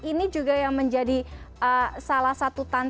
ini juga yang menjadi salah satu tantangan